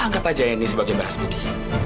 ya anggap aja ya ini sebagai beras budi